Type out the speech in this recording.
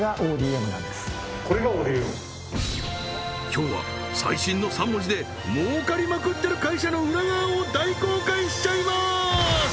今日は最新の３文字で儲かりまくってる会社の裏側を大公開しちゃいます！